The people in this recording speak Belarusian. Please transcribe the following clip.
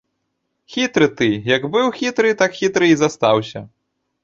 Хітры ты, як быў хітры, так хітры і застаўся.